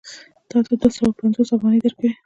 تا ته دوه سوه پنځوس افغانۍ درکوي